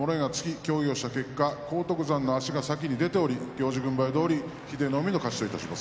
協議をした結果、荒篤山の足が先に出ており行司軍配どおり英乃海の勝ちとします。